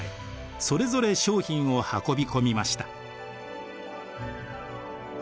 それぞれ商品を運び込みました。